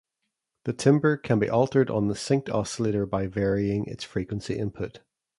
The timbre can be altered on the synched oscillator by varying its frequency input.